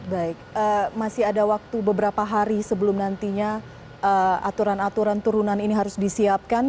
baik masih ada waktu beberapa hari sebelum nantinya aturan aturan turunan ini harus disiapkan